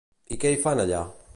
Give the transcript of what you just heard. I què hi fan allà?